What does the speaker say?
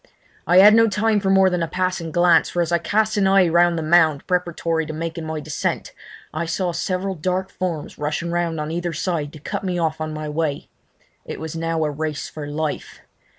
I had no time for more than a passing glance, for as I cast an eye round the mound preparatory to making my descent I saw several dark forms rushing round on either side to cut me off on my way. It was now a race for life.